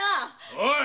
おい！